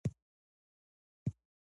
خلک پر دې باور لري.